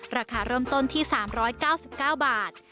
ราคาเริ่มต้นที่๓๙๙บาท